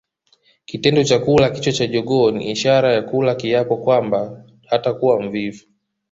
Kitendo cha kula kichwa cha jogoo ni ishara ya kula kiapo kwamba hatakuwa mvivu